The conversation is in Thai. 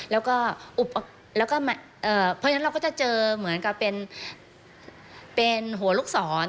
แล้วก็เพราะฉะนั้นเราก็จะเจอเหมือนกับเป็นหัวลูกศร